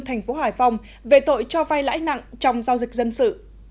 thành phố hải phòng về tội cho vai lãi nặng trong giao dịch dân sự